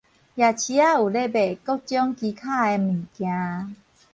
夜市仔有咧賣各種奇巧的物件